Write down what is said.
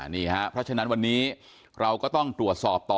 นี่ครับเพราะฉะนั้นวันนี้เราก็ต้องตรวจสอบต่อ